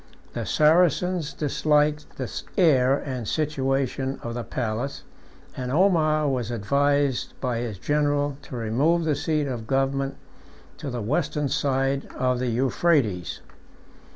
The Saracens disliked the air and situation of the place, and Omar was advised by his general to remove the seat of government to the western side of the Euphrates.